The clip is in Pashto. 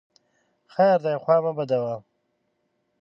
خیر دی خوا مه بدوه !